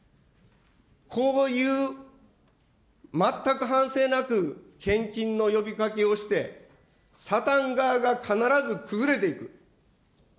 こういう全く反省なく献金の呼びかけをして、サタン側が必ず崩れていく。